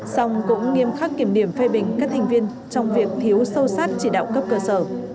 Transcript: xong cũng nghiêm khắc kiểm điểm phê bình các thành viên trong việc thiếu sâu sát chỉ đạo cấp cơ sở